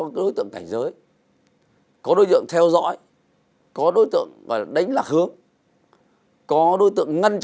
vì video này chỉ có hai phần